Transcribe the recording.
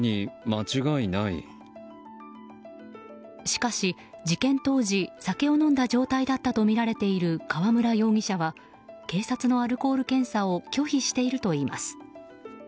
しかし、事件当時酒を飲んだ状態だったとみられている河村容疑者は警察のアルコール検査を拒否しているといいます。